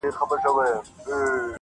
• چي ما په خپل ټول ژوند کي -